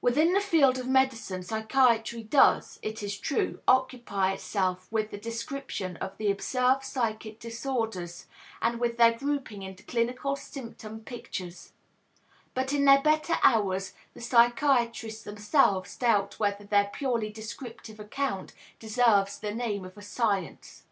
Within the field of medicine, psychiatry does, it is true, occupy itself with the description of the observed psychic disorders and with their grouping into clinical symptom pictures; but in their better hours the psychiatrists themselves doubt whether their purely descriptive account deserves the name of a science.